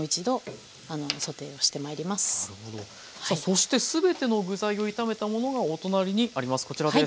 さあそして全ての具材を炒めたものがお隣にあります。